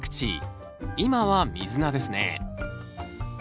今はミズナですね。